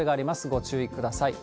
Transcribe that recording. ご注意ください。